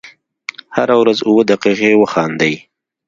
هره ورځ اووه دقیقې وخاندئ .